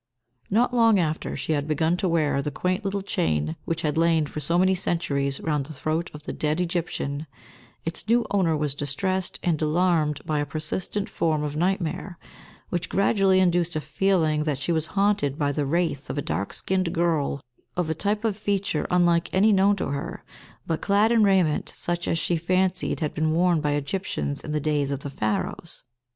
Not long after she had begun to wear the quaint little chain which had lain for so many centuries round the throat of the dead Egyptian, its new owner was distressed and alarmed by a persistent form of nightmare, which gradually induced a feeling that she was haunted by the wraith of a dark skinned girl, of a type of feature unlike any known to her, but clad in raiment such as she fancied had been worn by Egyptians in the days of the Pharaohs.